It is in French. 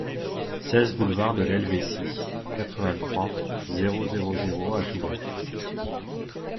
seize boulevard de l'Hélvétie, quatre-vingt-trois, zéro zéro zéro à Toulon